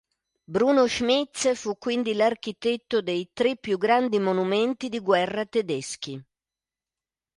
Bruno Schmitz fu quindi l'architetto dei tre più grandi monumenti di guerra tedeschi.